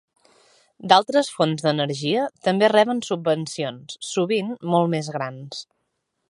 D'altres fonts d'energia també reben subvencions, sovint molt més grans.